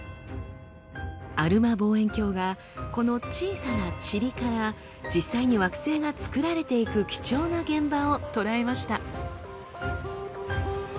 アルマ望遠鏡がこの小さなチリから実際に惑星がつくられていく貴重な現場を捉えました。